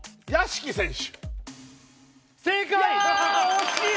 惜しい！